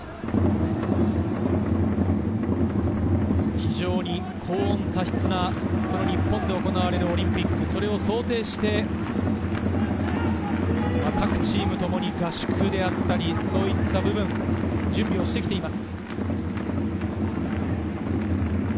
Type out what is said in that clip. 非常に高温多湿な日本で行われるオリンピック、それを想定して各チーム共に合宿であったり、そういった部分、準備をしてきています。